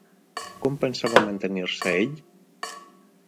Com pensava mantenir-se ell?